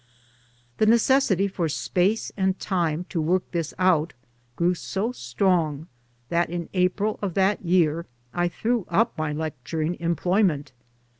The necessity for space and time to work this out grew so strong that in April of that year I threw up my lecturing employment.